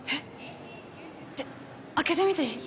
えっ開けてみていい？